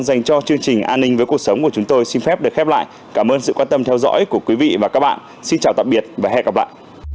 xin chào tạm biệt và hẹn gặp lại